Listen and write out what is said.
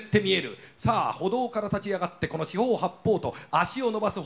さあ歩道から立ち上がってこの四方八方と足をのばす歩道橋。